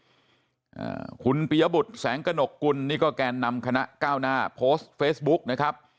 อ่าคุณปียบุตรแสงกระหนกกุลนี่ก็แกนนำคณะก้าวหน้าโพสต์เฟซบุ๊กนะครับ